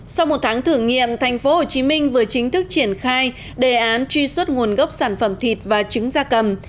sau một tháng thử nghiệm tp hcm vừa chính thức triển khai đề án truy xuất nguồn gốc sản phẩm thịt và trứng da cầm